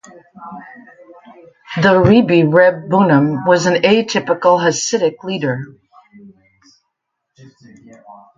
The Rebbe Reb Bunim was an atypical Hasidic leader.